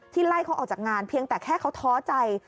ไล่เขาออกจากงานเพียงแต่แค่เขาท้อใจ